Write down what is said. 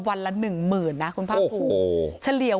วันละ๑หมื่นนะคุณภาพภูมิ